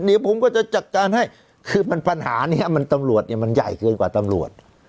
เดี๋ยวผมก็จะจัดการให้คือมันปัญหานี้มันตำรวจเนี่ยมันใหญ่เกินกว่าตำรวจ